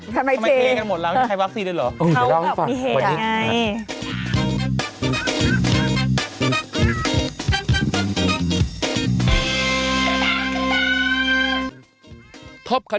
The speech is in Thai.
สามารถค่ะ